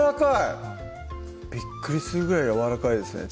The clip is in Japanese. びっくりするぐらいやわらかいですね